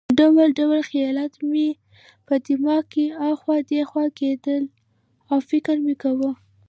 ډول ډول خیالات مې په دماغ کې اخوا دېخوا کېدل او فکر مې کاوه.